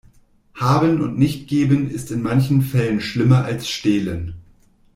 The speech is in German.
Haben und nicht geben ist in manchen Fällen schlimmer als stehlen.